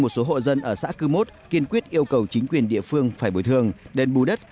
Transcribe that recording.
một số hộ dân ở xã cư mốt kiên quyết yêu cầu chính quyền địa phương phải bồi thường đền bù đất